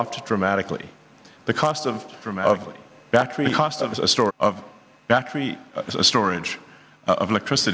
bagaimana kita akan mendukung penelitian